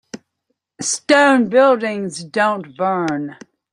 Stone buildings don't burn.